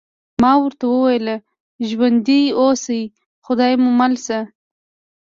ما ورته وویل: ژوندي اوسئ، خدای مو مل شه.